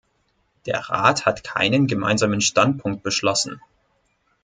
Der Rat hat keinen Gemeinsamen Standpunkt beschlossen.